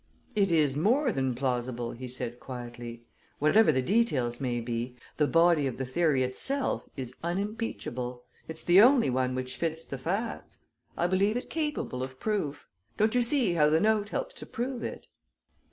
"It is more than plausible," he said quietly. "Whatever the details may be, the body of the theory itself is unimpeachable it's the only one which fits the facts. I believe it capable of proof. Don't you see how the note helps to prove it?"